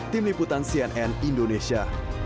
tim liputan cnn indonesia